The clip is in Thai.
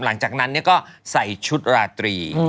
หลังจากนั้นก็ใส่ชุดราตรี